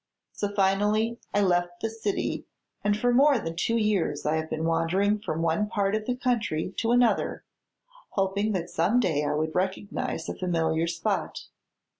So finally I left the city and for more than two years I have been wandering from one part of the country to another, hoping that some day I would recognize a familiar spot.